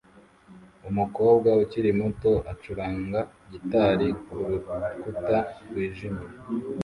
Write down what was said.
Umukobwa ukiri muto acuranga gitari kurukuta rwijimye